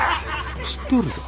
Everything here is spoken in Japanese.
知っとるぞ。